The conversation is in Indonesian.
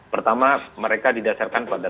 pertama mereka didasarkan pada